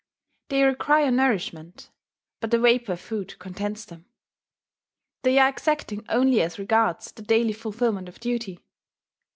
They require nourishment; but the vapour of food contents them. They are exacting only as regards the daily fulfilment of duty.